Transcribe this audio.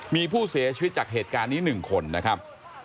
มีผู้เสียชีวิตจากเหตุการณ์นี้๑คนนะครับ